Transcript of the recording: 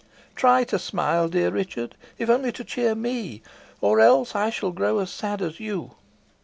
Try to smile, dear Richard, if only to cheer me, or else I shall grow as sad as you.